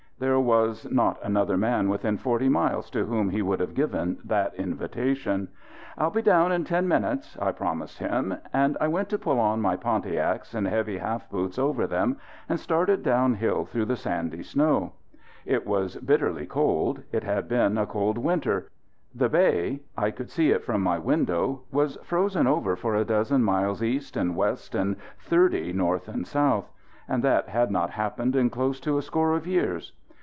There was not another man within forty miles to whom he would have given that invitation. "I'll be down in ten minutes," I promised him; and I went to pull on my Pontiacs and heavy half boots over them and started downhill through the sandy snow. It was bitterly cold; it had been a cold winter. The bay I could see it from my window was frozen over for a dozen miles east and west and thirty north and south; and that had not happened in close to a score of years.